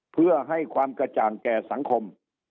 เพื่อให้ความกระจ่างแก่สังคม